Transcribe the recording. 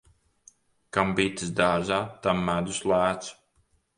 Kam bites dārzā, tam medus lēts.